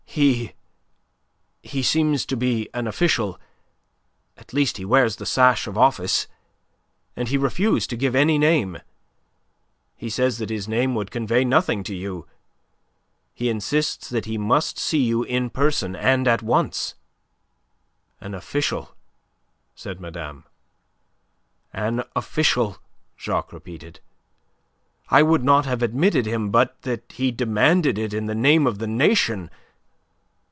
"He... he seems to be an official; at least he wears the sash of office. And he refuses to give any name; he says that his name would convey nothing to you. He insists that he must see you in person and at once." "An official?" said madame. "An official," Jacques repeated. "I would not have admitted him, but that he demanded it in the name of the Nation.